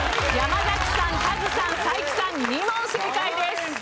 山崎さんカズさん才木さん２問正解です。